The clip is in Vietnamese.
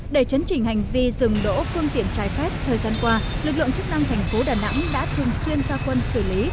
để chấn chỉnh hành vi dừng đỗ phương tiện trái phép thời gian qua lực lượng chức năng thành phố đà nẵng đã thường xuyên ra quân xử lý